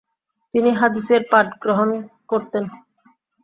তিনি হাদিসের পাঠ গ্রহণ করতেন ।